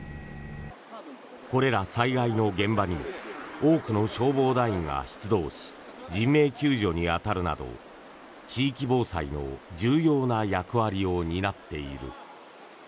これら災害の現場にも多くの消防団員が出動し人命救助に当たるなど地域防災の重要な役割を担っている。